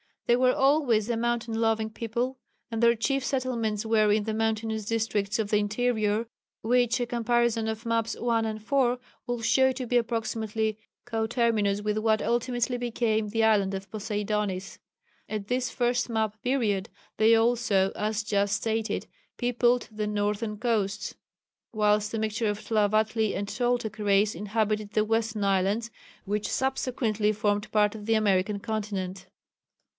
They were always a mountain loving people, and their chief settlements were in the mountainous districts of the interior, which a comparison of Maps, 1 and 4 will show to be approximately conterminous with what ultimately became the island of Poseidonis. At this first map period they also as just stated peopled the northern coasts, whilst a mixture of Tlavatli and Toltec race inhabited the western islands, which subsequently formed part of the American continent.